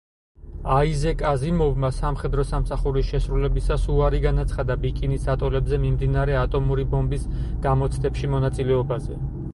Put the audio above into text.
აიზეკ აზიმოვმა სამხედრო სამსახურის შესრულებისას უარი განაცხადა ბიკინის ატოლებზე მიმდინარე ატომური ბომბის გამოცდებში მონაწილეობაზე.